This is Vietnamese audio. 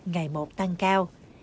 ngày một tăng cao